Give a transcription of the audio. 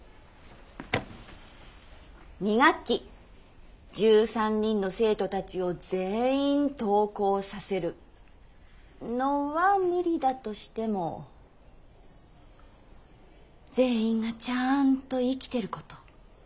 ２学期１３人の生徒たちを全員登校させるのは無理だとしても全員がちゃんと生きてること。